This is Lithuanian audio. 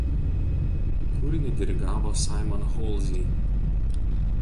Kūrinį dirigavo Simon Halsey.